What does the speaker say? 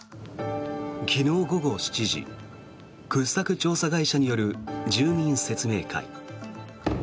昨日午後７時掘削調査会社による住民説明会。